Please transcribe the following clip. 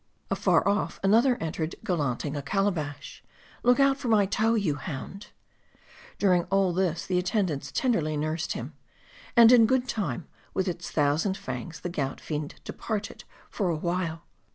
Afar off another entered gallanting a calabash " Look out for my toe, you hound !" During all this, the attendants tenderly nursed him. And in good time, with its thousand fangs, the gout fiend departed for a while.